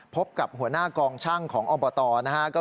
พบกับหัวหน้ากองช่างของอบตนะฮะก็คือหน่ายนทัศน์พรมสาขา